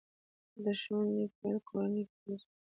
د ښوونې پیل کورنۍ کې کېږي.